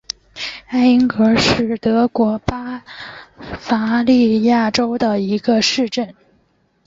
艾因格是德国巴伐利亚州的一个市镇。